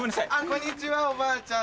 こんにちはおばあちゃん